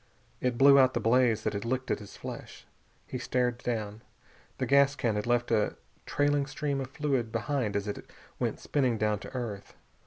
It blew out the blaze that had licked at his flesh. He stared down. The gas can had left a trailing stream of fluid behind it as it went spinning down to earth.